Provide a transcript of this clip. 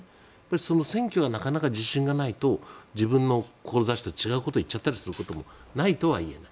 その選挙が中々自信がないと自分の志と違うことを言っちゃうこともないとは言えない。